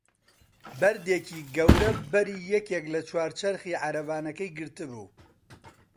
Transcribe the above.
بەردێکی گەورە بەری یەکێک لە چوار چەرخی عەرەبانەکەی گرتبوو.